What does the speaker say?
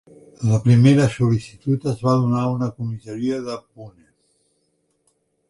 La primera sol·licitud es va donar a una comissaria de Pune.